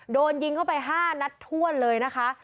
โดนยิงเข้าไป๕นัดถ้วนเลยนะคะ